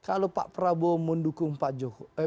kalau pak prabowo mendukung pak jokowi